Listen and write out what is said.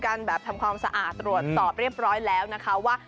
เขาทำความสะอาดตรวจต่อเรียบร้อยแล้ว